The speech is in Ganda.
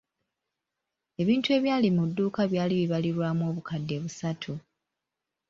Ebintu ebyali mu dduuka byali bibalirwamu obukadde busatu.